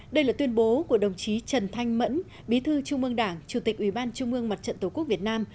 đây là tuyên bố của đồng chí trần thanh mẫn bí thư trung ương đảng chủ tịch ủy ban trung ương mặt trận tổ quốc việt nam